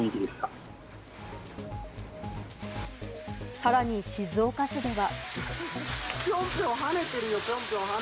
さらに静岡市では。